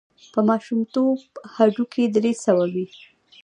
په ماشومتوب هډوکي درې سوه وي.